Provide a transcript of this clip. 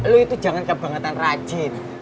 lo itu jangan kebangetan rajin